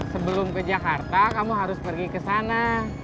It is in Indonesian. sebelum ke jakarta kamu harus pergi ke sana